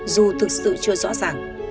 dù thực sự chưa rõ ràng